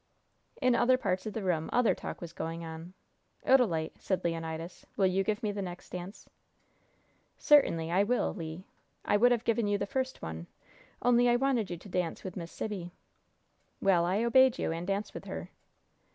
In other parts of the room other talk was going on. "Odalite," said Leonidas, "will you give me the next dance?" "Certainly I will, Le! I would have given you the first one, only I wanted you to dance with Miss Sibby!" "Well, I obeyed you, and danced with her."